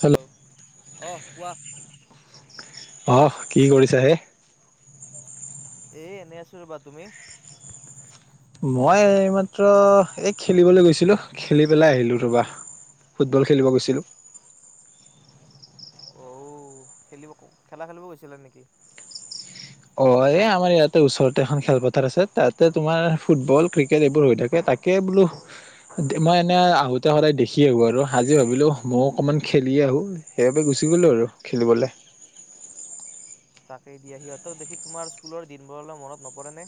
Hello, অ', কোৱা? আহ', কি কৰিছা হে', এ', এনে আছো ৰ'বা তুমি? মই', এই মাত্ৰ এই', খেলিবলৈ গৈছিলো খেলি পেলাই আহিলো ৰবা, ফুটবল খেলিব গৈছিলো। অঔ', খেলিব, খেলা খেলিব গৈছিলা নেকি? অ', এই ', আমাৰ ইয়াতে ওচৰতে এখন খেলপথাৰ আছে তাতে তোমাৰ ফুটবল, ক্ৰিকেট, এইবোৰ হৈ থাকে তাকে বোলো মই এনে আহোতে সদায় দেখি আহো আৰু আজি ভাবিলো মই অকনমান খেলি আহো সেইবাবে গুচি গলো আৰু খেলিবলে। তাকেই দিয়া সিহঁতক দেখি তোমাৰ স্কুলৰ দিনবোৰলৈ মনত নপৰে নে?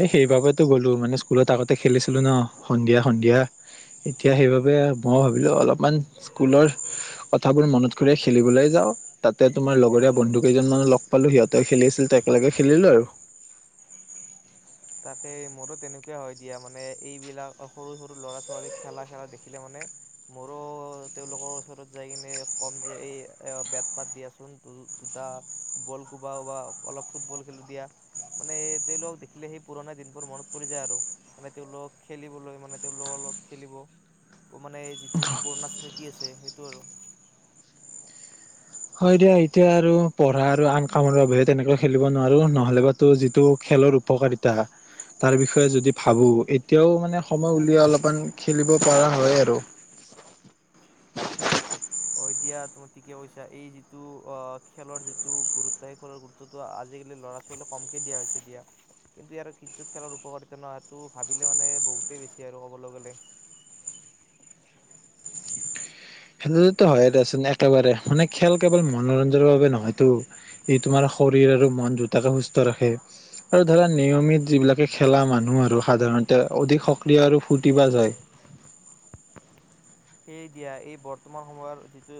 এ', সেইবাবেতো গ'লো মানে স্কুলত আগতে খেলিছিলো ন', সন্ধিয়া- সন্ধিয়া, এতিয়া সেইবাবে মই', ভাবিলো অলপমান স্কুলৰ কথাবোৰ মনত খুলাই-খেলিবলৈ যাওঁ তাতে তোমাৰ লগৰীয়া বন্ধু কেইজনমানক লগ পালো সিহঁতে খেলি আছিল একেলগে খেলিলো আৰু। তাকে মোৰো তেনেকুৱা হয়', দিয়া মানে এইবিলাক সৰু-সৰু ল'ৰা-ছোৱালী খেলা', - -খেলা দেখিলে মানে মোৰো তেওঁলোকৰ ওচৰত যাই কিনে ক'ম যে, এই বেট পাত দিয়াচোন দুটা বল কোবাও বা অলপ ফুটবল খেলো দিয়া মানে তেওঁলোকক দেখি সেই পুৰণা দিনবোৰ মনত পৰি যায়, আৰু মানে তেওঁলোকক খেলিবলৈ মানে, তেওঁলোকৰ লগত খেলিব মানে যিটো পুৰণা স্মৃতি আছে সেইটো আৰু। হয়', দিয়া এতিয়া আৰু পঢ়া আৰু আন কামৰ বাবেহে তেনেকৈ খেলিব নোৱাৰো। নহলেবা তো যিটো খেলৰ উপকাৰিতা তাৰ বিষয়ে যদি ভাবো এতিয়াও মানে সময় উলিয়াই অলপমান খেলিব পৰা হয় আৰু। হয়', দিয়া তুমি ঠিকে কৈছা, এই যিটো আহ', খেলৰ যিটো গুৰুত্ব সেই খেলৰ গুৰুত্বটো আজিকালি লৰা-ছোৱালীয়ে কমকে দিয়া হৈছে দিয়া। কিন্তু ইয়াৰ যিটো খেলৰ উপকাৰিতা নহ', সেইটো ভাবিলে মানে বহুতেই বেছি আৰু কবলৈ গলে। খেলতো হয়ে দিয়াচোন একেবাৰে মানে খেল কেৱল মনোৰঞ্জনৰ বাবে নহয়তটো ই', তোমাৰ শৰীৰ আৰু মন দুটাকে সুস্থ ৰাখে। আৰু ধৰা নিয়মিত যিবিলাকে খেলা মানুহ আৰু সাধাৰণতে অধিক সক্ৰিয় আৰু ফূৰ্তিবাজ হয় সেয়ে দিয়া এই বৰ্তমান সময়ৰ যিটো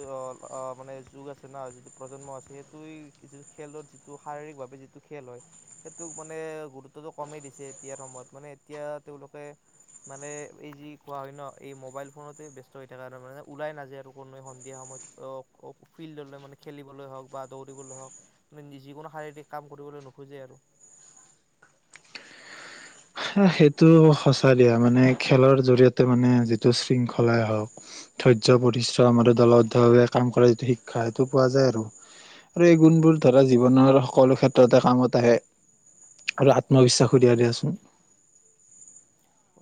মানে যুগ আছে ন', যিটো প্ৰজন্ম আছে সেইটোৱে খেলত যিটো শাৰীৰিকভাৱে যিটো খেল হয়, সেইটোক মানে গুৰুত্বটো কমেই দিছে, এতিয়াৰ সময়ত মানে এতিয়া তেওঁলোকে মানে এই যি কোৱা হয় ন এই মোবাইল ফোনতে ব্যস্ত এতিয়া', তাৰমানে ওলাই নাযায় আৰু কোনোৱ সন্ধিয়া সময়ত ফিল্ডলৈ, মানে খেলিবলৈ হওঁক বা দৌৰিবলৈ হওক মানে যিকোনো শাৰীৰিক কাম কৰিবলৈ নোখোজে আৰু। সেইটো সঁচা দিয়া মানে খেলৰ জৰিয়তে মানে যিটো শৃংখলাই হওক ধৈৰ্য্য - পৰিশ্ৰম আৰু দলবদ্ধ ভাৱে কাম কৰা যিটো শিক্ষা, সেইটো পোৱা যায় আৰু এই গুণবোৰ ধৰা জীৱনৰ সকলো ক্ষেত্ৰতে কামত আহে আৰু আত্মবিশ্বাস দিয়ে দিয়াচোন।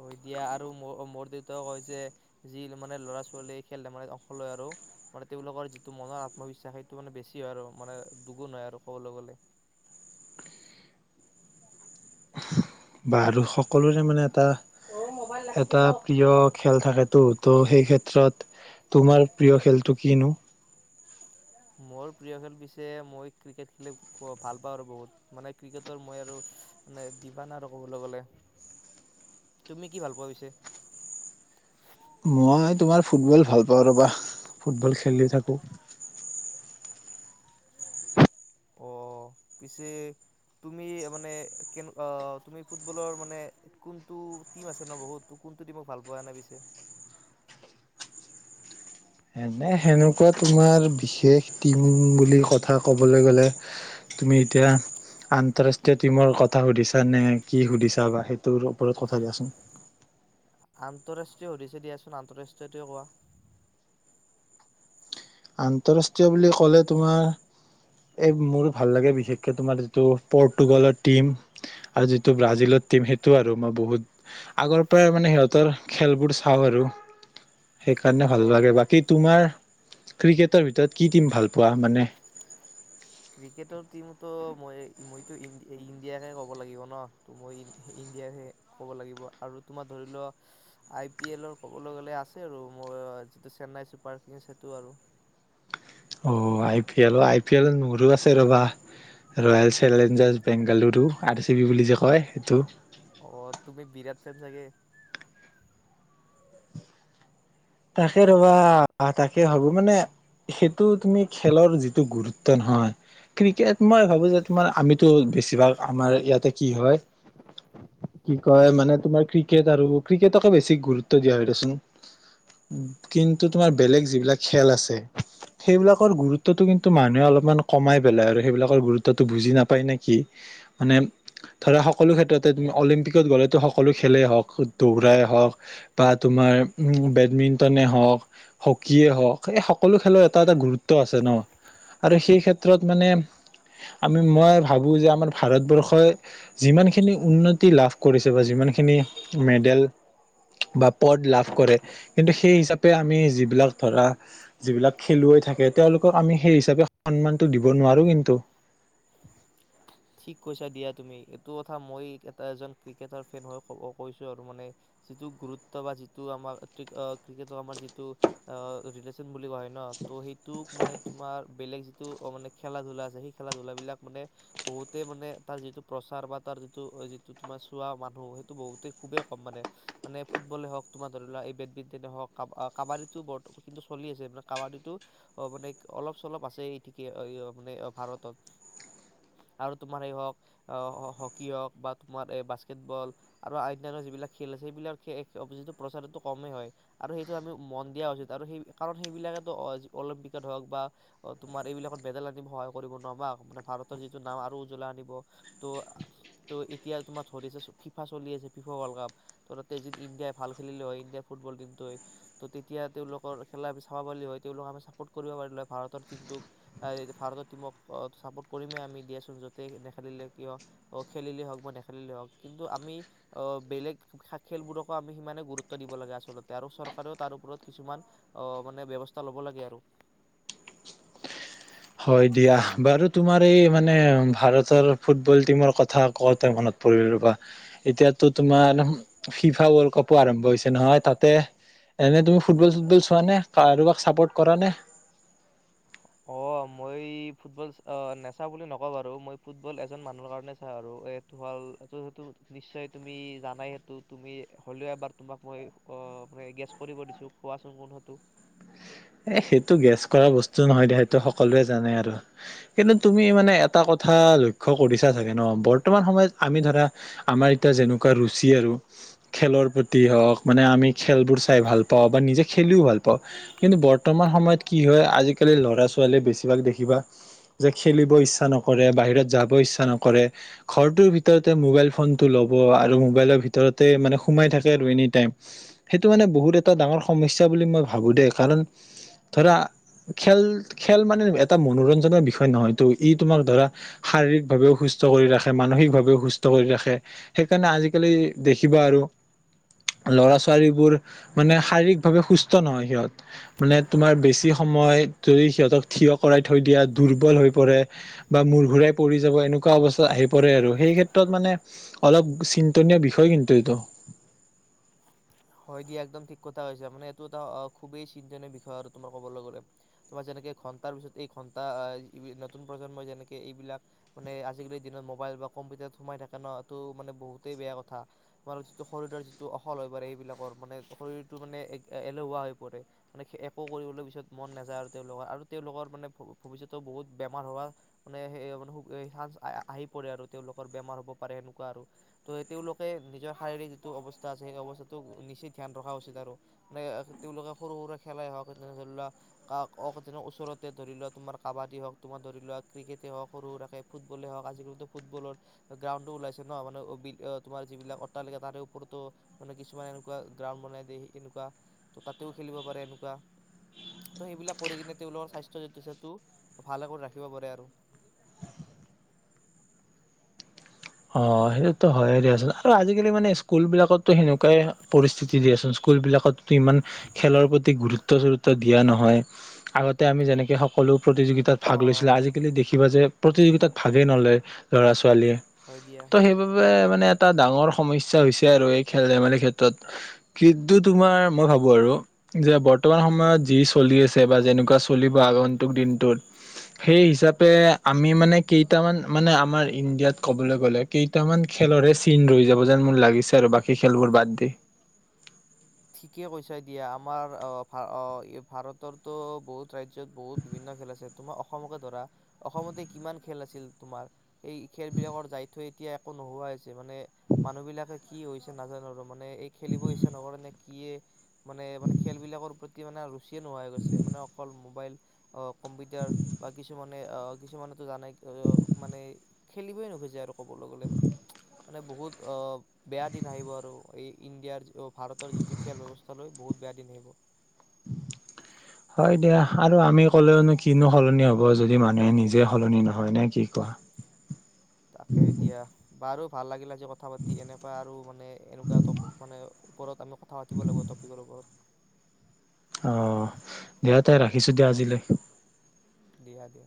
অ', দিয়া আৰু মোৰ', -মোৰ ', দেউতাও কয় যে', যি মানে ল'ৰা-ছোৱালীয়ে খেল-ধেমালিত অংশ লয় আৰু মানে তেওঁলোকৰ যিটো মনৰ আত্মবিশ্বাস সেইটো মানে বেছি হয় আৰু মানে দুগুণ হয় আৰু কবলৈ গ'লে। বা', আৰু সকলোৰে মানে এটা', - এটা', প্ৰিয় খেল থাকেতো ত', সেই ক্ষেত্ৰত তোমাৰ প্ৰিয় খেলটো কিনো? মোৰ প্ৰিয় খেল পিছে মই', ক্ৰিকেট খেলি ভাল পাওঁ। আৰু বহুত মানে ক্ৰিকেটৰ মই আৰু মানে দিবানা আৰু কবলৈ গ'লে, তুমি কি ভাল পোৱা পিছে? মই', তোমাৰ ফুটবল ভাল পাওঁ ৰবা ফুটবল খেলি থাকো। অ', পিছে তুমি মানে কেনে তুমি ফুটবলৰ মানে কোনটো টিম আছে ন', বহুত কোনটো টিমক ভাল পোৱা পিছে? এনে সেনেকুৱা তোমাৰ বিশেষ টিম বুলি কথা কবলৈ গ'লে, তুমি এতিয়া আন্তৰাষ্ট্ৰীয় টিমৰ কথা সুধিছা নে কি সুধিছা বা সেইটোৰ ওপৰত কথা দিয়াচোন? আন্তঃৰাষ্ট্ৰীয় সুধিছে দিয়াচোন আন্তঃৰাষ্ট্ৰীয়টোৱে কোৱা? আন্তৰাষ্ট্ৰীয় বুলি ক'লে ', -তোমাৰ এই মোৰো ভাল লাগে বিশেষকে তোমাৰ যিটো 'পৰ্তুগালৰ টিম' আৰু যিটো 'ব্ৰাজিলৰ টিম, ' সেইটো আৰু মই বহুত আগৰ পৰাই মানে সিহঁতৰ খেলবোৰ চাওঁ আৰু সেইকাৰণে অ ভাল তুমি লাগে বাকী তোমাৰ, ক্ৰিকেটৰ ভিতৰত কি টিম ভাল পোৱা মানে? ক্ৰিকেটৰ টিমতো মই মইতো ইণ্ডিয়াকে ক'ব লাগিব ন', মই ইণ্ডিয়াকে ক'ব লাগিব। আৰু তোমাৰ ধৰি লোৱা আই পি এলৰ ক'বলৈ গ'লে আছে আৰু মই যিটো চেন্নাই চুপাৰ কিংছ সেইটো আৰু অ', আই পি এল, আই পি এল মোৰো আছে ৰ'বা ' ৰয়েল-চেলেঞ্জাৰছ-বেংগালুৰু' আৰ', - চি', -বি', বুলি যে কয় সেইটো। অ', তুমি বিৰাট ফেন চাগে। তাকে ৰবা, তাকে ভাবো মানে সেইটো তুমি খেলৰ যিটো গুৰুত্ব নহয়, ক্ৰিকেট মই ভাবো যে, তোমাৰ আমিতো বেছিভাগ আমাৰ ইয়াতে কি হয়, কি কয়, মানে তোমাৰ ক্ৰিকেট আৰু ক্ৰিকেটকে বেছি গুৰুত্ব দিয়া হয় দিয়াচোন। কিন্তু তোমাৰ বেলেগ যিবিলাক খেল আছে, সেইবিলাকৰ গুৰুত্বটো তুমি মানুহে অলপ মান কমাই পেলাই আৰু সেইবিলাকৰ গুৰুত্বটো বুজি নাপায় নে কি? মানে ধৰা সকলো ক্ষেত্ৰতে অলিম্পিকত গ'লেতো সকলো খেলেই হওঁক দৌৰাই হওঁক বা তোমাৰ বেডমিণ্ট টনে হওক, হকিয়ে হওক, এই সকলো খেলৰ এটা এটা গুৰুত্ব আছে ন আৰু সেই ক্ষেত্ৰত মানে আমি মই ভাবো যে আমাৰ ভাৰতবৰ্ষই যিমানখিনি উন্নতি লাভ কৰিছে বা যিমানখিনি মেডেল বা পদ লাভ কৰে। কিন্তু সেই হিচাপে আমি যিবিলাক ধৰা যিবিলাক খেলুৱৈ থাকে তেওঁলোকক আমি সেই হিচাপে সন্মানটো দিব নোৱাৰো কিন্তু ঠিক কৈছা দিয়া তুমি এইটো কথা মই এটা এজন ক্ৰিকেটাৰ ফেন হৈ কৈছো আৰু মানে যিটো গুৰুত্ব বা যিটো আমাৰ ক্ৰিকেটৰ আমাৰ যিটো ৰিলেশ্বন- বুলি ক হয় ন ত সেইটোক মানে তোমাৰ বেলেগ টো অ মানে খেলা ধূলা আছে সেই খেলা ধূলাবিলাক মানে বহুতেই মানে তাৰ যিটো প্ৰচাৰ বা তাৰ যিটো যিটো তোমাৰ চোৱা মানুহ সেইটো বহুতেই খুবেই কম মানে মানে ফুটবলে হওক তোমাৰ ধৰি লোৱা এই বেডমিন্টনে হওক কাব কাবাডীটো বৰ কিন্তু চলি আছো কাবাডীটো মানে অলপ চলপ আছে এ ঠিকে মানে ভাৰতত- আৰু তোমাৰ এই হওঁক আহ হকী হওক বা তোমাৰ এই বাস্কেটবল আৰু অন্যান্য যিবিলাক খেল আছে সেইবিলাক যিটো প্ৰচাৰটো কমেই হয় আৰু সেইটো আমি মন দিয়া উচিত আৰু সেই কাৰণ সেইবিলাকেত অলিম্পিকত হওক বা তোমাৰ এইবিলাকত মেডেল আন সহায় কৰিব নোৱাৰা মানে ভাৰত যিটো নাম আৰু উজ্বলাই আনিব, ত' ত' এতিয়া তোমাৰ ধৰি আছে ফিফা চলি আছে। ফিফা ৱৰ্ল্ড কাপ ত' তেজিত ইণ্ডিয়াই ভাল খেলিলে হয় ইণ্ডিয়াৰ ফুটবল টিমটোৱে ত' তেতিয়া তেওঁলোকৰ খেলা আমি চাব পাৰিলোঁ হয়, তেওঁলোকক আমি চাপৰ্ট কৰিব পাৰিলোঁ হয়। ভাৰতৰ টিমটোক ভাৰতৰ টিমক কৰিমেই আমি দিয়াচোন য'তে নেখেলিলে কিয় খেলিলেই হওক বা নেখেলিলেই হওক। কিন্তু আমি আহ বেলেগ খেলবোৰকো আমি সিমানে গুৰুত্ব দিব লাগে আচলতে আৰু চৰকাৰেও তাৰ ওপৰত কিছুমান আহ মানে ব্যৱস্থা লব লাগে আৰু হয় দিয়া বাৰু তোমাৰ এই মানে ভাৰতৰ ফুটবল টিমৰ কথা ক মনত পৰিল ৰবা এতিয়টো তোমাৰ ফিফা ৱৰ্ল্ড কাপো আৰম্ভ হৈছে নহয় তাতে এনে তুমি ফুটবল চুতবল চোৱানে? কাৰোবাক চাপৰ্ট কৰা নে? অ মই ফুটবল নেচাও বুলি নকওঁ বাৰু আৰু মই ফুটবল এজন মানুহৰ কাৰণে চাও আৰু এডৱাল এইটো সেইটো নিশ্চয় তুমি জানাই সেইটো তুমি হলেও এবাৰ তোমাক মই অ গেছ কৰিব দিছো কোৱাচোন কোন সেটো এ সেইটো গেছ কৰা বস্তু নহয় দে সেইটো সকলোৱে জানে আৰু কিন্তু তুমি মানে এটা কথা লক্ষ্য কৰিছা চাগে ন বৰ্তমান সময়ত আমি ধৰা আমাৰ এতিয়া যেনেকুৱা ৰুচি আৰু খেলৰ প্ৰতি হওক মানে আমি খেলবোৰ চাই ভাল পাওঁ বা নিজে খেলিও ভাল পাওঁ কিন্তু বৰ্তমান সময়ত কি হয় আজিকালি ল'ৰা ছোৱালীয়ে বেছিভাগ দেখিবা যে খেলিব ইচ্ছা নকৰে বাহিৰত যাব ইচ্ছা নকৰে ঘৰটোৰ ভিতৰতে মোবাইল ফোনটো ল'ব আৰু মোবাইলৰ ভিতৰতে মানে সোমাই থাকে আৰু এনি টাইম সেইটো মানে বহুত এটা ডাঙৰ সমস্যা বুলি মই ভাবো দে। কাৰণ ধৰা খেল, খেল মানে এটা মনোৰঞ্জনৰ বিষয় নহয়টো। ই তোমাক ধৰা শাৰীৰিক ভাৱেও সুস্থ কৰি ৰাখে, মানসিকভাৱেও সুস্থ কৰি ৰাখে। সেইকাৰণে আজিকালি দেখিবা আৰু ল'ৰা ছোৱালীবোৰ মানে শাৰীৰিকভাৱে সুস্থ নহয় সিহঁত। মানে তোমাৰ বেছি সময় যদি সিহঁতক থিয় কৰাই থৈ দিয়া দুৰ্বল হৈ পৰে বা মূৰ ঘূৰাই পৰি যাব। এনেকুৱা অৱস্থা আহি পৰে আৰু সেই ক্ষেত্ৰত মানে অলপ চিন্তনীয় বিষয় কিন্তু এইটো। হয় একদম ঠিক কথা কৈছা মানে এইটো এটা খুবেই চিন্তনীয় বিষয় আৰু তোমাৰ ক'বলৈ গ'লে। তোমাৰ যেনেকে ঘন্টাৰ পিছত এই ঘটা নতুন প্ৰজন্মই যেনেকে এইবিলাক মানে আজিকালিৰ দিনত মবাইল বা কম্পিউটাৰত সোমাই থাকে ন এইটো মানে বহুতেই বেয়া কথা তোমাৰ যিটো শৰীৰৰ যিটো অহল হৈ পৰে এইবিলাক মানে শৰীৰটো মানে এলহুৱা হৈ পৰে মানে একো কৰিবলৈ পিছত মন নাযায় আৰু তেওঁলোকৰ আৰু তেওঁলোকৰ মানে ভৱিষ্যটো বহুত বেমাৰ হোৱা মানে সে চান্স আহি পৰে আৰু তেওঁলোকৰ বেমাৰ হ'ব পাৰে সেনেকুৱা আৰু ত তেওঁলোকে নিজৰ শাৰীৰিক যিটো অৱস্থা আছে সেই অৱস্থাটো নিচেই ধ্যান ৰখা উচিত আৰু মানে তেওঁলোকে সৰু সুৰা খেলাই হওক তে ধৰি লোৱা ওচৰতে ধৰি লোৱা তোমাৰ কাবাডী হওক তোমাৰ ধৰি লোৱা ক্ৰিকেটে হওক সৰু সুৰাকে ফুটবলে হওক আজিকালিতো ফুটবলৰ গ্ৰাণ্ডো ওলাইছে ন মানে তোমাৰ যিবিলাক অট্টালিকে তাৰে ওপৰতো মানে কিছুমান কুৱা গ্ৰাউণ্ড বনাই দিয়ে এনেকুৱা তাতেও খেলিব পাৰে এনেকুৱা ত' সেইবিলাক কৰি কিনে তেওঁলোকৰ স্বাস্থ্য যিটো সেইটো ভালে কৰি ৰাখিব পাৰে আৰু অ সেই ত হয়য়ে দিয়াচোন আৰু আজিকালি মানে স্কুল বিলাকতো সেনেকুৱাই পৰিস্থিতি দিয়াচোন স্কুল বিলাকত ইমান খেলৰ প্ৰতি গুৰুত্ব চৰুত্ব দি দিয়া নহয় আগতে আমি যেনেকে সকলো প্ৰতিযোগিতাত অ', ভাগ লৈছিলে অ', আজিকালি দেখিবা যে প্ৰতিযোগিতাত ভাগেই নলয় ল'ৰা-ছোৱালীয়ে হয় দিয়া ত' সেইবাবে মানে এটা ডাঙৰ সমস্যা হৈছে আৰু এই খেল ধেমালিৰ ক্ষেত্ৰত কিন্তু তোমাৰ মই ভাবো আৰু যে বৰ্তমান সময়ত যি চলি আছে বা যেনেকুৱা চলিব আগন্তুক দিনটোত সেই হিচাপে আমি মানে কেইটামান মানে আমাৰ ইণ্ডিয়াত ক'বলৈ গ'লে কেইটামান খেলৰে চিন ৰৈ যাব যেন মোৰ লাগিছ। বাকী খেলবোৰ বাদ দি এতিয়া আমাৰ আহ ভ ভাৰতৰতো বহুত ৰাজ্যত বহুত বিভিন্ন খেল আছে তোমাৰ অসমকে ধৰা অসমতে কিমান খেল আছিল তোমাৰ সেই খেল বিলাকৰ যাই থৈ এতিয়া একো নোহোৱা হৈছে মানে মানুহ বিলাকে কি হৈছে নাজানো আৰু মানে এই খেলিব ইচ্ছা ন কাৰণে কিয়ে মানে মানে খেল বিলাকৰ প্ৰতি মানে ৰুছ চিয়ে নোহোৱাই গৈছে মানে অকল মোবাইল অ কম্পিউটাৰ বা কিছুমান মানে অ কিছুমানতো জানাই মানে খেলিবই নোখোজে আৰু ক'বলৈ গ'লে বা। মানে বহুত অ বেয়া দিন আহিব আৰু এই ইণ্ডিয়াৰ ভাৰতৰ যিটো খেল ব্যৱস্থা লৈ বহুত বেয়া দিন আহিব। হয় দিয়া আৰু আমি ক'লেওনো কিনো সলনি হ'ব যদি মানুহে নিজে সলনি নহয়। নে কি কোৱা? তাকেই দিয়া, বাৰু ভাল লাগিলে কথা পাতি এনেকুৱা আৰু মানে এনেকুৱা টপ, মানে ওপৰত আমি কথা পাতিব লাগিব টপিকৰ ওপৰত। অ দিয়া তাই ৰাখিছো দিয়া আজিলৈ। দিয়া দিয়া।